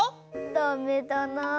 ダメだな。